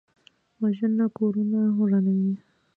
وژنه کورونه ورانوي